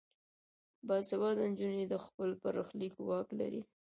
باسواده نجونې د خپل برخلیک واک لري.